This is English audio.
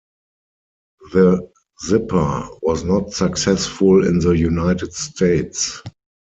The Zipper was not successful in the United States.